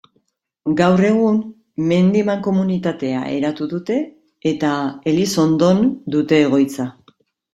Gaur egun, mendi-mankomunitatea eratu dute, eta Elizondon dute egoitza.